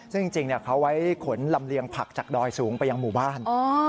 ซึ่งจริงเขาไว้ขนลำเลียงผักจากดอยสูงไปยังหมู่บ้าน